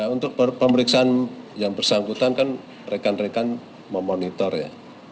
untuk pemeriksaan yang bersangkutan kan rekan rekan memonitor ya